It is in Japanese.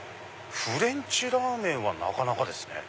フレンチラーメンはなかなかですね。